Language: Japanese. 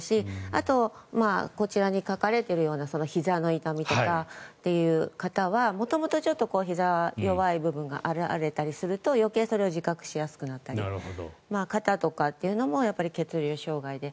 あとこちらに書かれているようなひざの痛みとかっていう方は元々、ひざが弱い部分が表れたりすると余計、それを自覚しやすくなったりする方というのもやっぱり血流障害で。